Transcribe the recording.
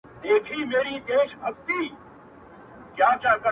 • د دې قام د یو ځای کولو ,